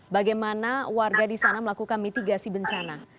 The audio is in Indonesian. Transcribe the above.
bagaimana warga di sana melakukan mitigasi bencana